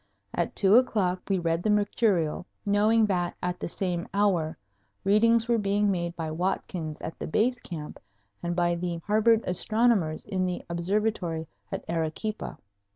At two o'clock we read the mercurial, knowing that at the same hour readings were being made by Watkins at the Base Camp and by the Harvard astronomers in the Observatory at Arequipa.